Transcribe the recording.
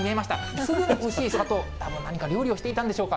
すぐに欲しい砂糖、何か、料理をしていたんでしょうか。